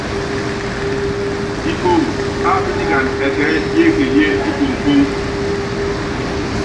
Ipoŋo ápítikana ɛkɛɛ́ yékenyié ipoŋpoŋ.